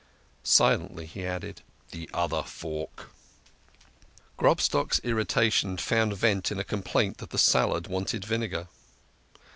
Silently he added : "The other fork !" Grobstock's irritation found vent in a complaint that the salad wanted vinegar.